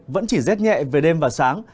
vẫn chỉ rét nhẹ về đêm và sáng